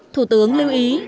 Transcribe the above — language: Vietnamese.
thủ tướng lưu ý